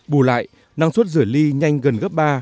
bù lại năng suất rửa ly nhanh gần gấp ba